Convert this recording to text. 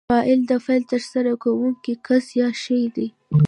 فاعل د فعل ترسره کوونکی کس یا شی دئ.